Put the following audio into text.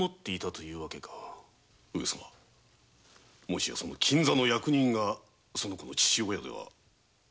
もしやその金座の役人がその子の父親では？